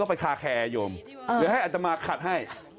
ไปคาแคร์โยมหรือให้อัตมาขัดให้